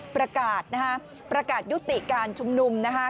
ประกาศนะฮะประกาศยุติการชุมนุมนะคะ